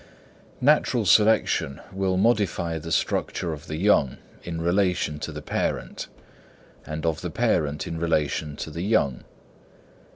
Natural selection will modify the structure of the young in relation to the parent and of the parent in relation to the young.